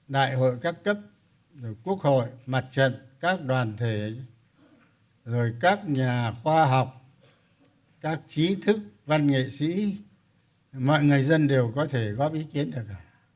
đại hội các cấp quốc hội mặt trận các đoàn thể các nhà khoa học các chí thức văn nghệ sĩ mọi người dân đều có thể góp ý kiến được